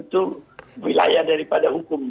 tentu wilayah daripada hukum